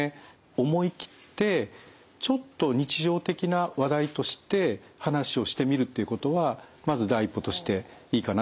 思い切ってちょっと日常的な話題として話をしてみるっていうことはまず第一歩としていいかなと思います。